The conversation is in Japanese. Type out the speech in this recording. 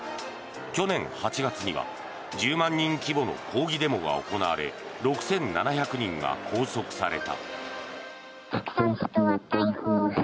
去年８月には１０万人規模の抗議デモが行われ６７００人が拘束された。